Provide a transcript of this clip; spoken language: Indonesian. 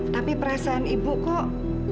tapi perasaan ibu kok